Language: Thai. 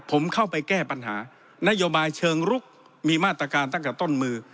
ผมเข้าไปแก้ปัญหานโยบายเชิงลุกมีมาตรการตั้งแต่ต้นมือ